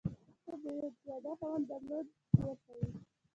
خو د یوه ساده خاوند درلودل ډېر ښه وي.